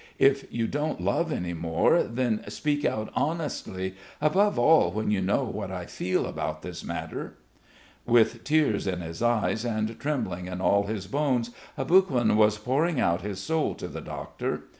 If you don't love any more then speak out honestly, above all when you know what I feel about this matter...." With tears in his eyes and trembling in all his bones, Aboguin was pouring out his soul to the doctor.